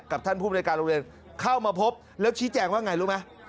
ท่านผู้บริการโรงเรียนเข้ามาพบแล้วชี้แจงว่าไงรู้ไหม